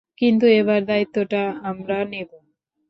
কিন্তু এবার দায়িত্বটা আমরা নেব।